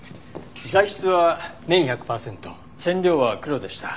材質は綿１００パーセント染料は黒でした。